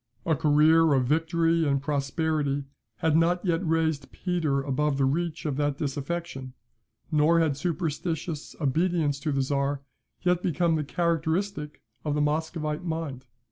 A career of victory and prosperity had not yet raised Peter above the reach of that disaffection, nor had superstitious obedience to the Czar yet become the characteristic of the Muscovite mind.